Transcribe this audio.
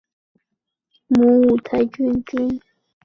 母五台郡君。